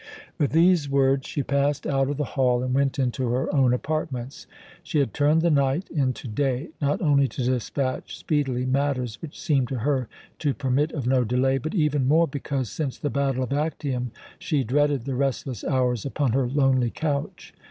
With these words she passed out of the hall and went into her own apartments. She had turned the night into day, not only to despatch speedily matters which seemed to her to permit of no delay, but even more because, since the battle of Actium, she dreaded the restless hours upon her lonely couch.